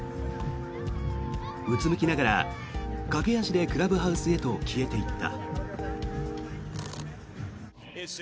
うつむきながら駆け足でクラブハウスへと消えていった。